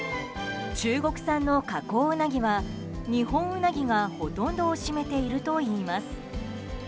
中国産の加工ウナギはニホンウナギがほとんどを占めているといいます。